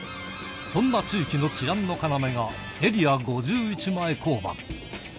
そんな地域の治安の要がエリア５１前交番。